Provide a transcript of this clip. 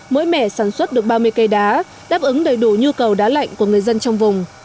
mỗi mẻ sản xuất được ba mươi cây đá đáp ứng đầy đủ nhu cầu đá lạnh của người dân trong vùng